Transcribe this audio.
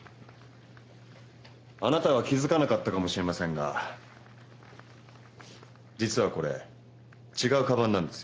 あなたは気付かなかったかもしれませんが実はこれ違う鞄なんですよ。